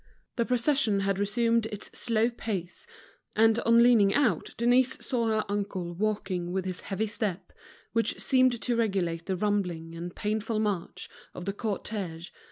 The procession had resumed its slow pace; and on leaning out, Denise saw her uncle walking with his heavy step, which seemed to regulate the rumbling and painful march of the cortege.